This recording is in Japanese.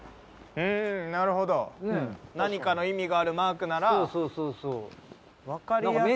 うんなるほど何かの意味があるマークならそうそうそうそう